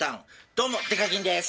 どうもデカキンです